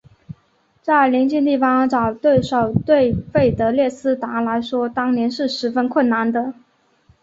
在邻近地方找对手对费德列斯达来说当年是十分困难的。